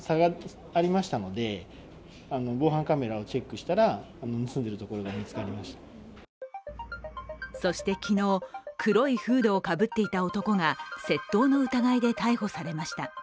しかしそして昨日、黒いフードをかぶっていた男が窃盗の疑いで逮捕されました。